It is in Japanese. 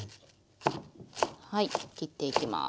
はい切っていきます。